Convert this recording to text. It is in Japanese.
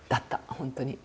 本当に。